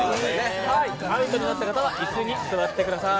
アウトになった方は椅子に座ってください。